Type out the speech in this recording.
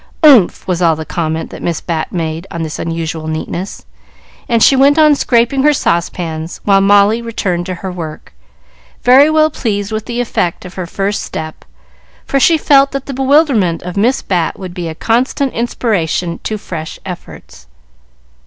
"Umph!" was all the comment that Miss Bat made on this unusual neatness, and she went on scraping her saucepans, while Molly returned to her work, very well pleased with the effect of her first step, for she felt that the bewilderment of Miss Bat would be a constant inspiration to fresh efforts.